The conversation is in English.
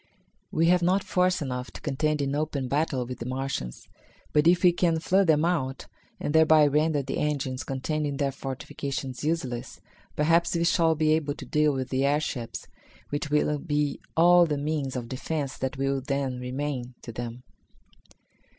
We have not force enough to contend in open battle with the Martians, but if we can flood them out, and thereby render the engines contained in their fortifications useless, perhaps we shall be able to deal with the airships, which will be all the means of defence that will then remain to them."